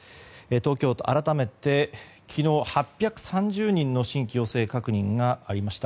東京都は改めて昨日、８３０人の新規陽性確認がありました。